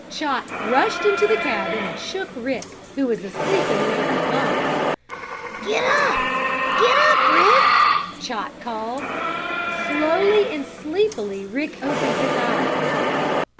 Chot rushed into the cabin and shook Rick, who was asleep in one of the bunks. "Get up! Get up, Rick!" Chot called. Slowly and sleepily Rick opened his eyes.